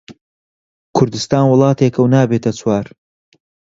کوردستان وڵاتێکە و نابێتە چوار